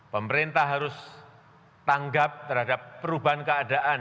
pemerintah harus tanggap terhadap perubahan keadaan